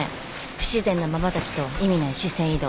不自然なまばたきと意味ない視線移動。